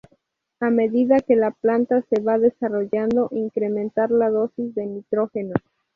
A medida que la planta se va desarrollando incrementar la dosis de nitrógeno.